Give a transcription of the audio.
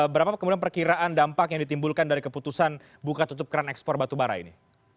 berapa kemudian perkiraan dampak yang ditimbulkan dari keputusan buka tutup keran ekspor batubara ini